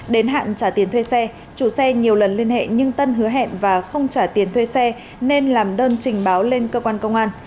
đến hạn trả tiền thuê xe chủ xe nhiều lần liên hệ nhưng tân hứa hẹn và không trả tiền thuê xe nên làm đơn trình báo lên cơ quan công an